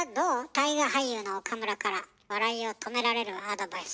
大河俳優の岡村から笑いを止められるアドバイス。